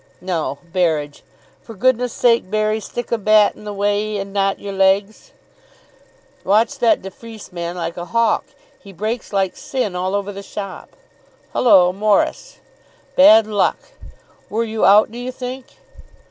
"No. Berridge. For goodness sake, Berry, stick a bat in the way, and not your legs. Watch that de Freece man like a hawk. He breaks like sin all over the shop. Hullo, Morris! Bad luck! Were you out, do you think?"